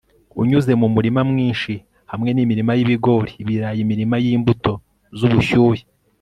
unyuze mu murima mwinshi hamwe nimirima y'ibigori, ibirayi, imirima yimbuto zubushyuhe